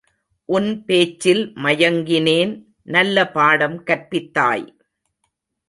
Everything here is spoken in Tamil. உன் பேச்சில் மயங்கினேன் நல்ல பாடம் கற்பித்தாய்!